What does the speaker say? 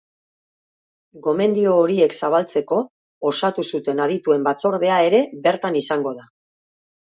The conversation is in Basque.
Gomendio horiek zabaltzeko osatu zuten adituen batzordea ere bertan izango da.